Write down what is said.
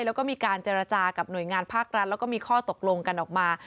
แล้วก็มีการเจรจากับหน่วยงานภาครัฐแล้วก็มีข้อตกลงกันออกมา